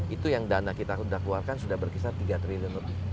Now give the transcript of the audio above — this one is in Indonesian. itu yang dana kita sudah keluarkan sudah berkisar tiga triliun lebih